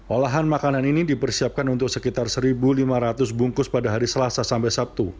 olahan makanan ini dipersiapkan untuk sekitar satu lima ratus bungkus pada hari selasa sampai sabtu